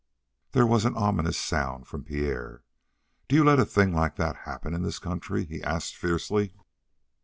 There was an ominous sound from Pierre: "Do you let a thing like that happen in this country?" he asked fiercely.